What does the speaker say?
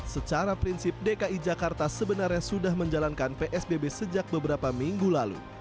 secara prinsip dki jakarta sebenarnya sudah menjalankan psbb sejak beberapa minggu lalu